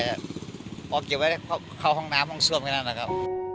วางเกี่ยวไว้เข้าห้องน้ำห้องทรวมอะไรอย่างนั้นครับ